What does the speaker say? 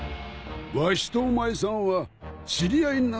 わしとお前さんは知り合いなのかな？